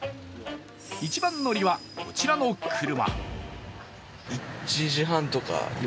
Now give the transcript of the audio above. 一番乗りはこちらの車。